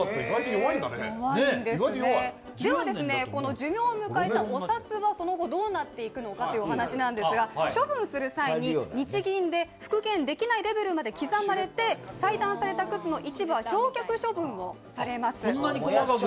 寿命を迎えたお札は、その後どうなっていくのかというお話なんですが、処分する際に日銀で復元できないレベルまで刻まれて、裁断されたくずの一部は焼却処分をされます。